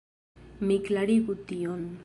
Mi klarigu tion.